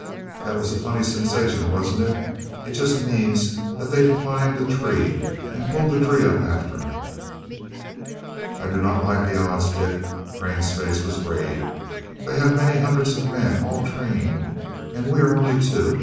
"That was a funny sensation, wasn't it? It just means that they've climbed a tree and pulled the tree up after them." "I do not like the odds, Dick," Crane's face was grave. "They have many hundreds of men, all trained; and we are only two.